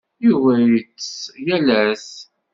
Yuba yettess yal ass.